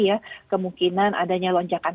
ya kemungkinan adanya lonjakan